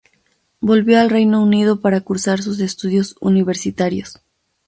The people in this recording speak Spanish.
Volvió al Reino Unido para cursar sus estudios universitarios.